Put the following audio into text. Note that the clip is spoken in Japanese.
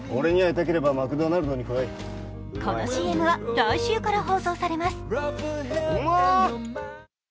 このＣＭは来週から放送されます。